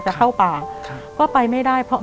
แต่ขอให้เรียนจบปริญญาตรีก่อน